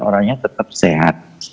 orangnya tetap sehat